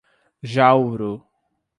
Jauru